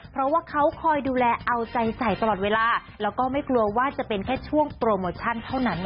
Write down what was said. เพราะว่าเขาคอยดูแลเอาใจใส่ตลอดเวลาแล้วก็ไม่กลัวว่าจะเป็นแค่ช่วงโปรโมชั่นเท่านั้น